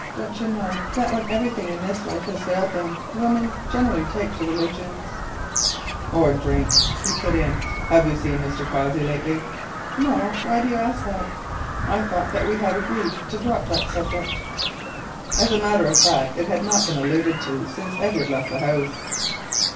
Don't you know that when everything else in life has failed them women generally take to religion?" "Or drink," he put in, with a touch of his old bitterness. "Have you seen Mr. Cossey lately?" "No. Why do you ask that? I thought we had agreed to drop that subject." As a matter of fact it had not been alluded to since Edward left the house.